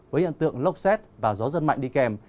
với hiện tượng lốc xét và gió giật mạnh đi kèm